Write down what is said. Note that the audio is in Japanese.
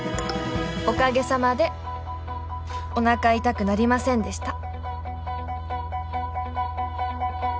「おかげさまでおなか痛くなりませんでした」